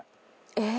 え？